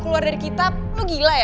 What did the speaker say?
keluar dari kitab gila ya